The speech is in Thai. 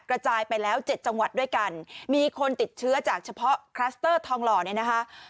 กระจายไปแล้วเจ็ดจังหวัดด้วยกันมีคนติดเชื้อจากเฉพาะคลัสเตอร์ทองหล่อเนี่ยนะคะ